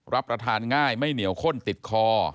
รับประทานง่ายไม่เหนียวข้นติดคอ